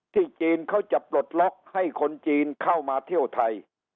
จีนเขาจะปลดล็อกให้คนจีนเข้ามาเที่ยวไทย